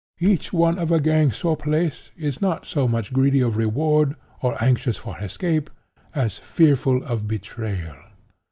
Each one of a gang so placed, is not so much greedy of reward, or anxious for escape, as fearful of betrayal.